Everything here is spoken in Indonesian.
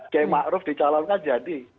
kay mak ruf dicalonkan jadi